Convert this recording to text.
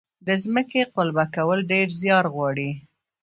د ځمکې قلبه کول ډیر زیار غواړي.